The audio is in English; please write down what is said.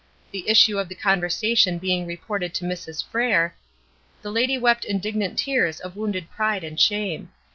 The issue of the conversation being reported to Mrs. Frere, the lady wept indignant tears of wounded pride and shame.